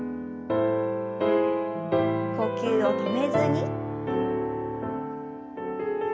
呼吸を止めずに。